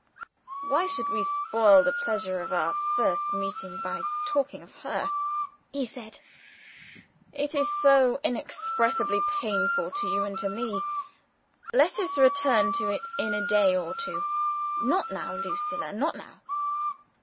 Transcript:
"Why should we spoil the pleasure of our first meeting by talking of her?" he said. "It is so inexpressibly painful to you and to me. Let us return to it in a day or two. Not now, Lucilla not now!"